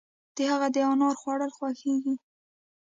د هغه د انار خوړل خوښيږي.